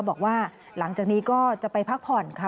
บอกว่าหลังจากนี้ก็จะไปพักผ่อนค่ะ